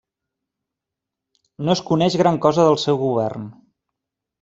No es coneix gran cosa del seu govern.